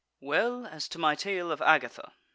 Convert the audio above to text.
Well, as to my tale of Agatha.